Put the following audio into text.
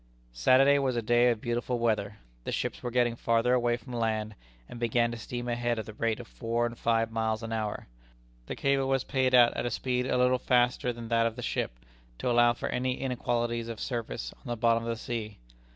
Saturday was a day of beautiful weather. The ships were getting farther away from land, and began to steam ahead at the rate of four and five miles an hour. The cable was paid out at a speed a little faster than that of the ship, to allow for any inequalities of surface on the bottom of the sea.